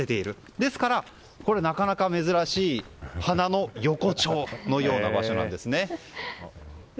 ですから、なかなか珍しい花の横丁な場所なんですね。